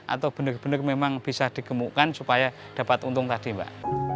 atau benar benar memang bisa digemukkan supaya dapat untung tadi mbak